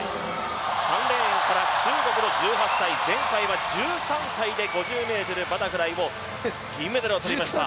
３レーンから、中国の１８歳前回は１３歳で５０ｍバタフライの銀メダルを取りました